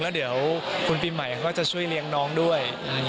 แล้วเดี๋ยวคุณปีใหม่ก็จะช่วยเลี้ยงน้องด้วย